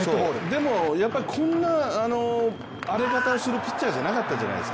でもこんな荒れ方をするピッチャーじゃなかったですよ。